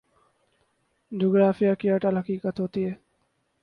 جغرافیے کی اٹل حقیقت ہوتی ہے۔